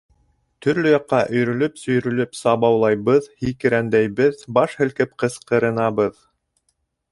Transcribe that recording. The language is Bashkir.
Төрлө яҡҡа өйрөлөп-сөйрөлөп сабаулай-быҙ, һикерәндәйбеҙ, баш һелкеп ҡысҡырынабыҙ.